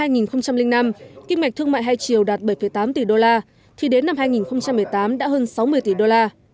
năm hai nghìn năm kinh mạch thương mại hai chiều đạt bảy tám tỷ đô la thì đến năm hai nghìn một mươi tám đã hơn sáu mươi tỷ đô la